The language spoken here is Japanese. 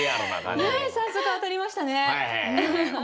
早速当たりましたね。